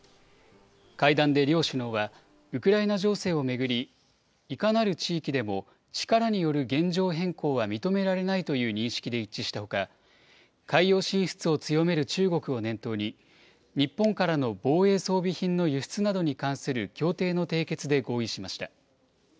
会談で両首脳は、ウクライナ情勢を巡りいかなる地域でも、力による現状変更は認められないという認識で一致したほか、海洋進出を強める中国を念頭に、日本からの防衛装備品の輸出などに関する協定の締結で合意しました。